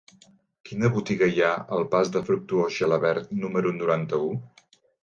Quina botiga hi ha al pas de Fructuós Gelabert número noranta-u?